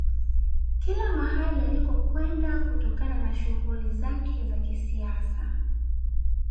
Kila mahali alikokwenda kutokana na shughuli zake za kisiasa